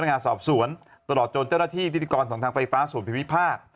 พนักงานสอบสวนตลอดโจรเจ้าหน้าที่ดิจกรส่วนทางไฟฟ้าส่วนภิพิภาค